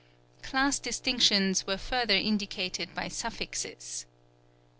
Class distinctions were further indicated by suffixes.